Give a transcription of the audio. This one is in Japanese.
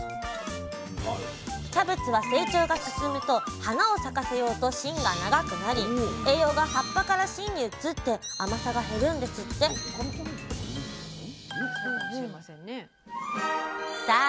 キャベツは成長が進むと花を咲かせようと芯が長くなり栄養が葉っぱから芯に移って甘さが減るんですってさあ